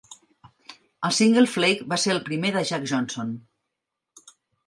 El single "Flake" va ser el primer de Jack Johnson.